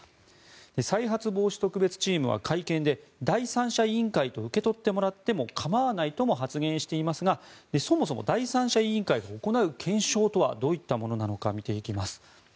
再発防止特別チームは会見で第三者委員会と受け取ってもらっても構わないと発言していますがそもそも第三者委員会が行う検証とはどういったものなのか見ていきます。